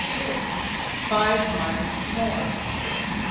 FIVE MONTHS MORE.